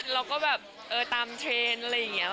เราก็แบบเออตามเทรนด์อะไรอย่างนี้